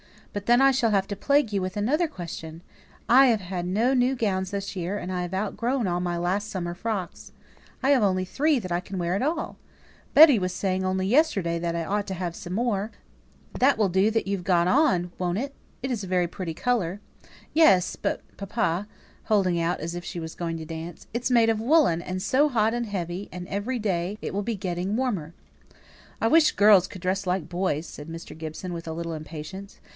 But then I shall have to plague you with another question. I've had no new gown this year, and I've outgrown all my last summer frocks. I've only three that I can wear at all. Betty was saying only yesterday that I ought to have some more." "That'll do that you have got on, won't it? It's a very pretty colour." "Yes; but, papa" (holding it out as if she was going to dance), "it's made of woollen, and so hot and heavy; and every day it will be getting warmer." "I wish girls could dress like boys," said Mr. Gibson, with a little impatience.